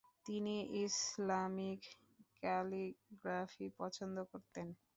তিনি Islamic calligraphy পছন্দ করতেন।